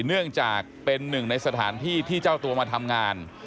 เนื่องจากเป็นหนึ่งในสถานที่ที่เจ้าตัวมาทำงาน